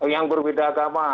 yang berbeda agama